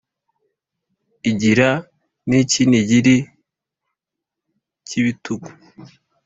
igira n’ icyinigiri cy’ ibitugu,